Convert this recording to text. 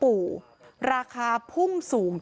เพราะทนายอันนันชายเดชาบอกว่าจะเป็นการเอาคืนยังไง